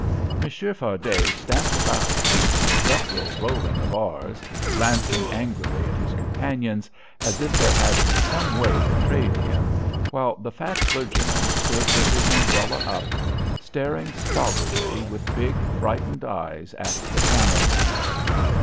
Monsieur Fardet stamped about with a guttural rolling of r's, glancing angrily at his companions, as if they had in some way betrayed him, while the fat clergyman stood with his umbrella up, staring stolidly with big, frightened eyes at the camel men.